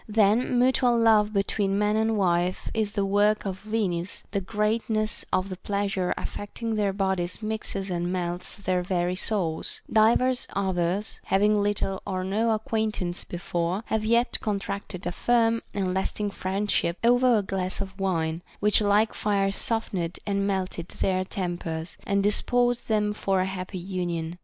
That mutual love between man and wife is the work of Venus, the greatness of the pleasure affecting their bodies mixes and melts their very souls ; divers others, having little or no acquaintance before, have yet contracted a firm and lasting friendship over a glass of wine, which like fire softened and melted their tempers, and disposed them for a happy union.